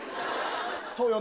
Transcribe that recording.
そうよね？